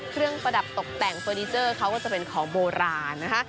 ประดับตกแต่งเฟอร์นิเจอร์เขาก็จะเป็นของโบราณนะคะ